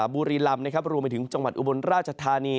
บุรีลำรวมไปถึงจังหวัดอุบลราชธานี